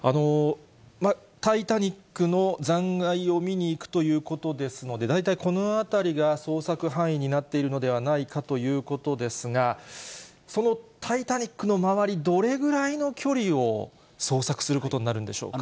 タイタニックの残骸を見に行くということですので、大体この辺りが捜索範囲になっているのではないかということですが、そのタイタニックの周り、どれぐらいの距離を捜索することになるんでしょうか。